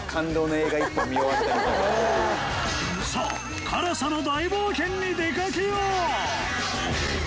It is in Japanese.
さあ辛さの大冒険に出かけよう！